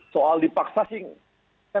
soal dipaksa sih